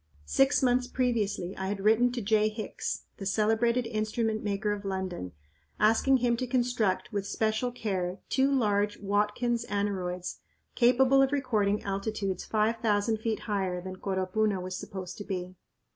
Six months previously I had written to J. Hicks, the celebrated instrument maker of London, asking him to construct, with special care, two large "Watkins" aneroids capable of recording altitudes five thousand feet higher than Coropuna was supposed to be.